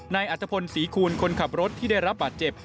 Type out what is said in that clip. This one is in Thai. อัตภพลศรีคูณคนขับรถที่ได้รับบาดเจ็บ